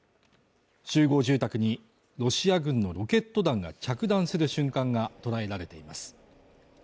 集合住宅にロシア軍のロケット弾が着弾する瞬間が捉えられています。